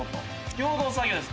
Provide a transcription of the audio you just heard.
共同作業です。